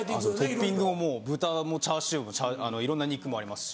トッピングも豚もチャーシューもいろんな肉もありますし。